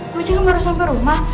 gue cakap baru sampai rumah